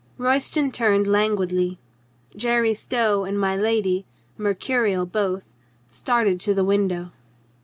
Royston turned languidly. Jerry Stow and my lady, mercurial both, started to the window.